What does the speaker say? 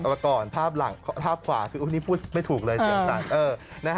เออก่อนภาพหลังภาพขวาอุ๊ยนี่พูดไม่ถูกเลยเสียงสั่น